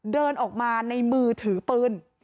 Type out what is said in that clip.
เดินออกมาในมือถือปืน